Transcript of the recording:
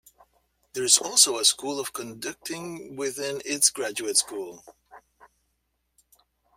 There is also a School of Conducting within its Graduate School.